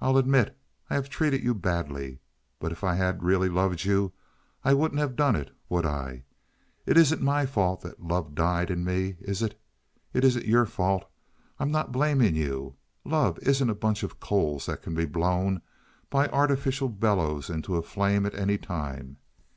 I'll admit I have treated you badly; but if I had really loved you I wouldn't have done it, would I? It isn't my fault that love died in me, is it? It isn't your fault. I'm not blaming you. Love isn't a bunch of coals that can be blown by an artificial bellows into a flame at any time.